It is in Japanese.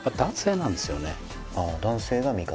あっ男性が味方？